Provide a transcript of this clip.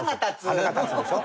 腹が立つでしょ？